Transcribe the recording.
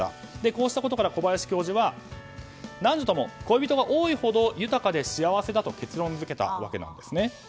こうしたことから小林教授は男女共、恋人が多いほうが豊かで幸せだと結論付けたんです。